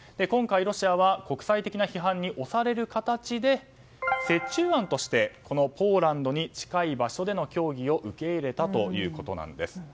今回ロシアは国際的な批判に押される形で折衷案としてポーランドに近い場所での協議を受け入れたということなんです。